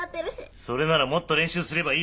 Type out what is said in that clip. それならもっと練習すればいいだけだろ？